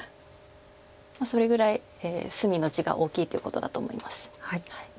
それぐらい隅の地が大きいということだと思います。